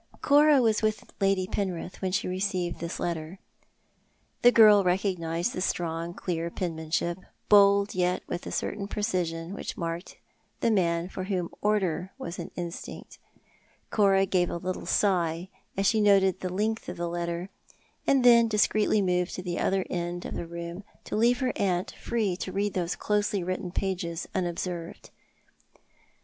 Cora was with Lady Penrith when she received this letter. The girl recognised the strong, clear penmanship, bold, yet with a certain precision which marked the man for whom order was an instinct, Cora gave a little sigh as she noted the length of the letter, and then discreetly moved to the other end of the room to leave her aunt free to read those closely written pages unobserved.